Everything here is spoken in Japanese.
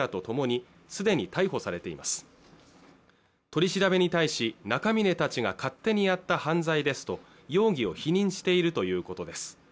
取り調べに対し中峯たちが勝手にやった犯罪ですと容疑を否認しているということです